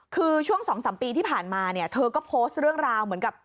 คือช่วง๒๓ปีที่ผ่านมาเนี่ยเธอก็โพสต์เรื่องราวเหมือนกับ